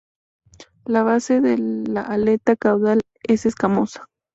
La base de la aleta caudal es escamosa.